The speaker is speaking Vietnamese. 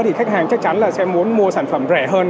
thì khách hàng chắc chắn là sẽ muốn mua sản phẩm rẻ hơn